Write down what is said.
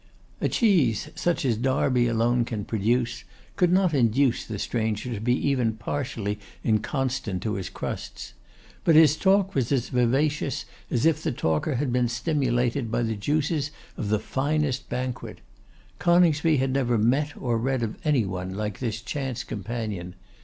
A cheese, such as Derby alone can produce, could not induce the stranger to be even partially inconstant to his crusts. But his talk was as vivacious as if the talker had been stimulated by the juices of the finest banquet. Coningsby had never met or read of any one like this chance companion.